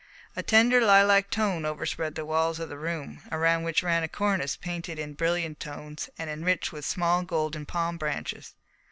A tender lilac tone overspread the walls of the room, around which ran a cornice painted in brilliant tones and enriched with small golden palm branches.